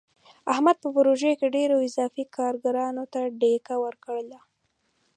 احمد په پروژه کې ډېرو اضافي کارګرانو ته ډیکه ورکړله.